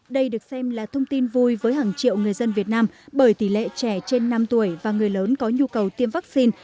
đây được xem là thông tin vui với hàng triệu người dân việt nam bởi tỷ lệ trẻ trên năm tuổi và người lớn có nhu cầu tiêm vaccine